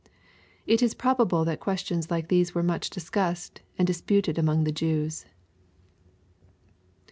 It is probable that questions like these were much discussed and disputed among the Jews.